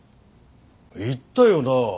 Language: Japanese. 言ったよな。